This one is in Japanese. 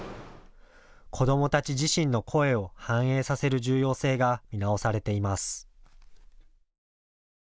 子どもたち自身の声を反映させる重要性が見直されています。